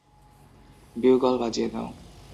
Bugle বাজিয়ে দাও।